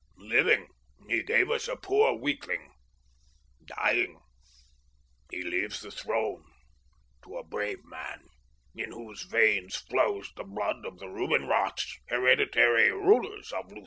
Living, he gave us a poor weakling. Dying, he leaves the throne to a brave man, in whose veins flows the blood of the Rubinroths, hereditary rulers of Lutha.